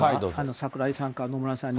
櫻井さんか野村さんに。